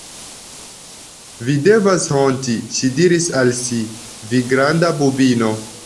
"Vi devas honti," ŝi diris al si, "vi granda bubino!"